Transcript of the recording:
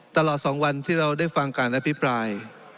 ตลอด๒วันที่เราได้ฟังการอภิปราย